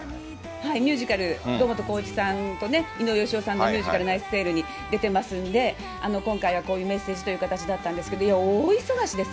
ミュージカル、堂本光一さんと井上よしおさんの、に出てますんで、今回はこういうメッセージという形だったんですけど、大忙しです